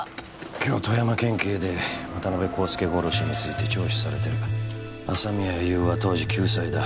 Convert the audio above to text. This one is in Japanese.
今日富山県警で渡辺康介殺しについて聴取されてる朝宮優は当時９歳だ